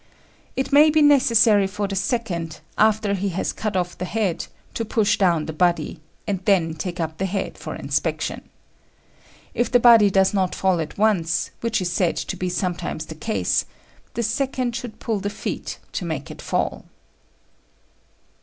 It may be necessary for the second, after he has cut off the head, to push down the body, and then take up the head for inspection. If the body does not fall at once, which is said to be sometimes the case, the second should pull the feet to make it fall.